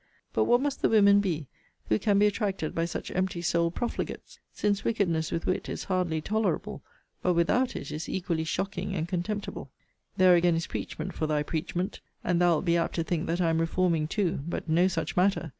But what must the women be, who can be attracted by such empty souled profligates! since wickedness with wit is hardly tolerable; but, without it, is equally shocking and contemptible. There again is preachment for thy preachment; and thou wilt be apt to think that I am reforming too: but no such matter.